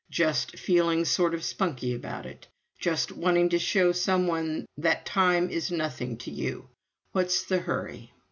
Just feeling sort of spunky about it just wanting to show some one that time is nothing to you what's the hurry?